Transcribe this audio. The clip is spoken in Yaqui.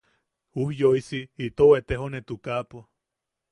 Ujyoisi itou etejone tukaapo.